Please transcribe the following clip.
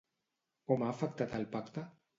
Com ha afectat el pacte?